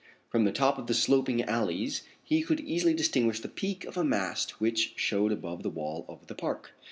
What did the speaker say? From the top of the sloping alleys he could easily distinguish the peak of a mast which showed above the wall of the park.